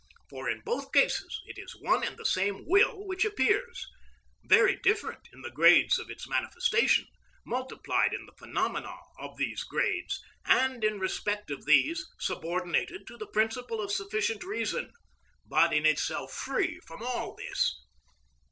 For in both cases it is one and the same will which appears; very different in the grades of its manifestation, multiplied in the phenomena of these grades, and, in respect of these, subordinated to the principle of sufficient reason, but in itself free from all this.